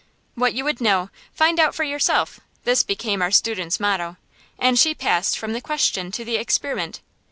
What you would know, find out for yourself: this became our student's motto; and she passed from the question to the experiment.